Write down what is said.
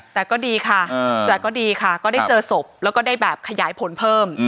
แต่ก็ดีค่ะก็ได้เจอสมผิดแล้วก็คยายผลเพิ่ม